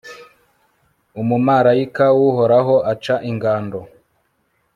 umumalayika w'uhoraho aca ingando